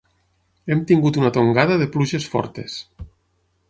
Hem tingut una tongada de pluges fortes.